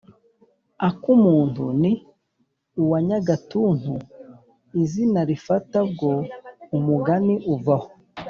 «akumuntu ni uwa nyagatuntu! izina lifata bwo; umugani uva aho.